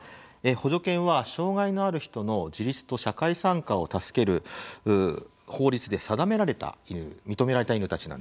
補助犬は障害のある人の自立と社会参加を助ける法律で定められた犬認められた犬たちなんですね。